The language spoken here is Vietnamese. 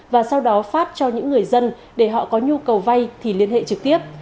và sau đó phát cho những người dân để họ có nhu cầu vay thì liên hệ trực tiếp